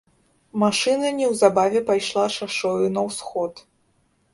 Машына неўзабаве пайшла шашою на ўсход.